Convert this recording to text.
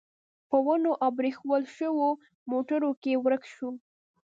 په ونو او پرېښوول شوو موټرو کې ورک شو.